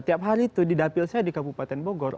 tiap hari itu di dapil saya di kabupaten bogor